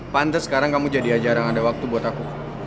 pantes sekarang kamu jadi ajaran ada waktu buat aku